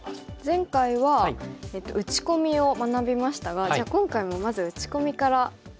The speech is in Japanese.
前回は打ち込みを学びましたがじゃあ今回もまず打ち込みから。